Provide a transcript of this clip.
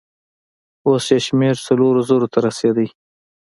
اوس يې شمېر څلورو زرو ته رسېده.